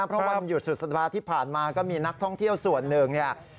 เพราะวันหยุดสุดสัปดาห์ที่ผ่านมาก็มีนักท่องเที่ยวส่วนหนึ่งเนี่ย